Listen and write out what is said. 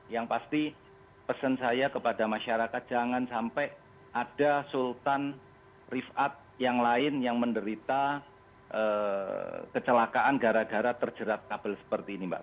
yang pasti pesan saya kepada masyarakat jangan sampai ada sultan rifat yang lain yang menderita kecelakaan gara gara terjerat kabel seperti ini mbak